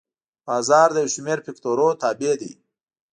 بازار د یو شمېر فکتورونو تابع دی.